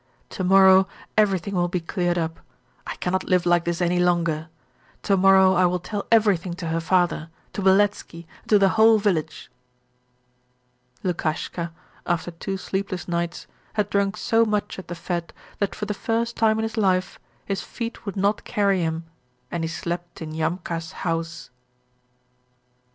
To morrow everything will be cleared up. I cannot live like this any longer; to morrow I will tell everything to her father, to Beletski, and to the whole village.' Lukashka, after two sleepless nights, had drunk so much at the fete that for the first time in his life his feet would not carry him, and he slept in Yamka's house.